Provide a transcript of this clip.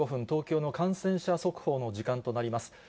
東京の感染者速報の時間となります。